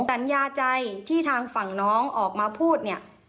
สัญญาใจที่ทางฝั่งน้องออกมาพูดเนี่ย